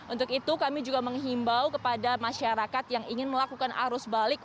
untuk itu kami juga menghimbau kepada masyarakat yang ingin melakukan arus balik